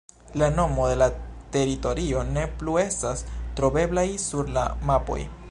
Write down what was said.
La nomo de la teritorio ne plu estas troveblaj sur la mapoj.